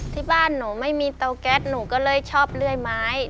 ที่บ้านหนูไม่มีเตาแก๊สหนูก็เลยชอบเลื่อยไม้